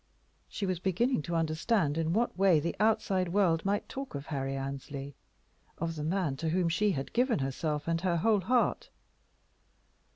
She was beginning to understand in what way the outside world might talk of Harry Annesley, of the man to whom she had given herself and her whole heart.